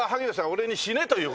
俺に死ねという？